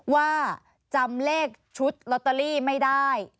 ว่าจำเลขชุดลอตเตอรี่ไม่ได้